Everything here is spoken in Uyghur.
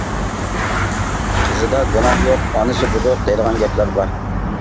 قىزىدا گۇناھ يوق ئانىسى بۇزۇق دەيدىغان گەپلەر بار.